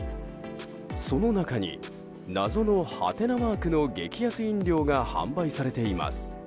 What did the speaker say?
その中に、謎のはてなマークの激安飲料が販売されています。